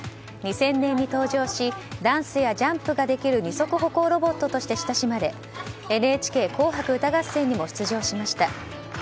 ２０００年に登場しダンスやジャンプができる二足歩行ロボットとして親しまれ「ＮＨＫ紅白歌合戦」にも出場しました。